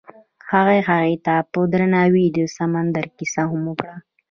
هغه هغې ته په درناوي د سمندر کیسه هم وکړه.